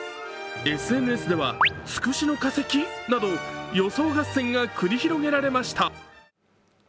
ＳＮＳでは、つくしの化石など予想合戦が繰り広げられました。